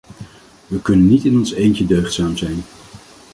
We kunnen niet in ons eentje deugdzaam zijn.